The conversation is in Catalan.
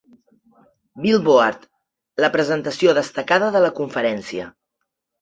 "Billboard" la presentació destacada de la conferència.